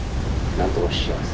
何とかします。